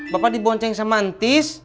bapak dibonceng semantis